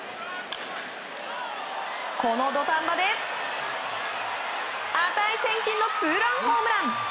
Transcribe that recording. この土壇場で値千金のツーランホームラン！